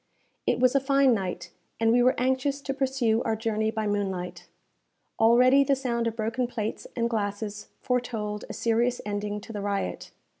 It was a fine night, and we were anxious to pursue our journey by moonlight. Already the sound of broken plates and glasses foretold a serious ending to the riot.